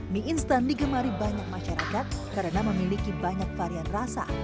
mie instan digemari banyak masyarakat karena memiliki banyak varian rasa